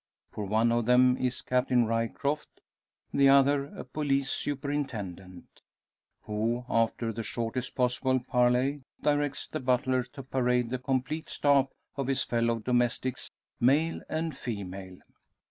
For one of the men is Captain Ryecroft, the other a police superintendent; who, after the shortest possible parley, directs the butler to parade the complete staff of his fellow domestics, male and female.